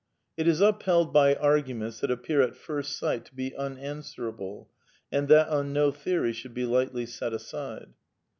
It is upheld by arguments that appear at first sight to be unanswerable, and that on no theory should be lightly set aside.